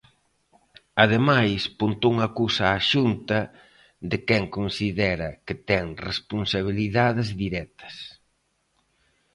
Ademais, Pontón acusa a Xunta, de quen considera que ten responsabilidades directas.